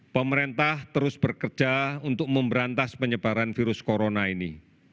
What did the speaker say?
pemerintah terus bekerja untuk memberantas penyebaran virus corona ini